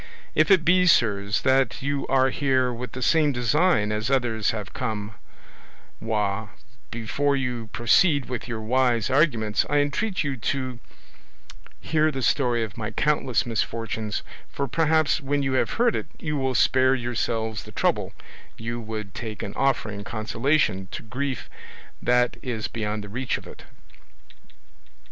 If it be, sirs, that you are here with the same design as others have come with, before you proceed with your wise arguments, I entreat you to hear the story of my countless misfortunes, for perhaps when you have heard it you will spare yourselves the trouble you would take in offering consolation to grief that is beyond the reach of it."